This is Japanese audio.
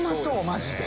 マジで。